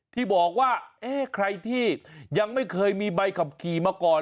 ที่บอกว่าเอ๊ะใครที่ยังไม่เคยมีใบขับขี่มาก่อน